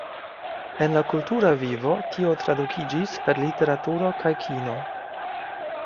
En la kultura vivo, tio tradukiĝis per literaturo kaj kino.